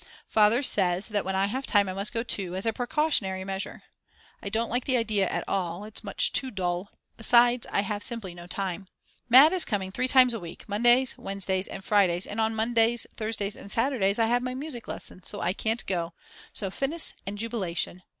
Father says that when I have time I must go too "as a precautionary measure." I don't like the idea at all, it's much too dull; besides I have simply no time. Mad. is coming 3 times a week, Mondays, Wednesdays, and Fridays, and on Mondays, Thursdays, and Saturdays I have my music lesson, so I can't go; so Finis and Jubilation!